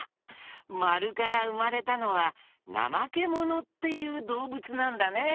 まるからうまれたのはなまけものっていうどうぶつなんだね。